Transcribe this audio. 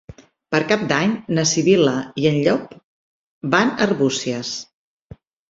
Per Cap d'Any na Sibil·la i en Llop van a Arbúcies.